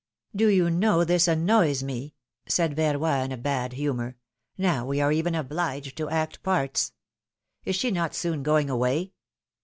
Do you know this annoys me !" said Verroy, in a bad humor; now we are even obliged to act parts. Is she not soon going away